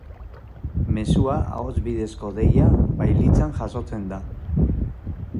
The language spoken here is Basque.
Mezua ahots bidezko deia bailitzan jasotzen da.